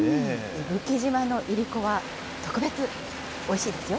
伊吹島のいりこは特別おいしいですよ。